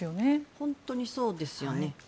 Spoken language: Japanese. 本当にそうですよね。